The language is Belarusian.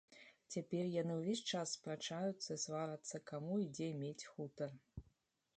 Цяпер яны ўвесь час спрачаюцца і сварацца, каму і дзе мець хутар.